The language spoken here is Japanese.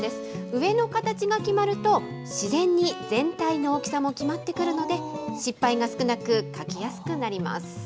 上の形が決まると、自然に全体の大きさも決まってくるので、失敗が少なく、描きやすくなります。